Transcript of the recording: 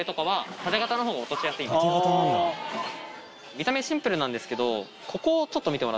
見た目シンプルなんですけど。